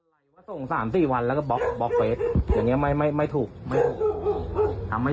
พี่ก็ทำยังไงถึงได้ติดต่อเราได้